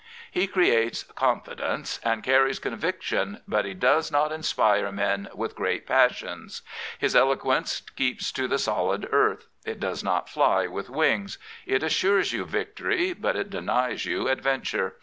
He creates confidence and carries conviction, but he does not inspire men with great passions. His elo quence keeps to the solid earth: it does not fly with wings. It assures you victory; but it denies you adventure.